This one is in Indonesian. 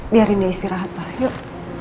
biarin dia istirahat pak yuk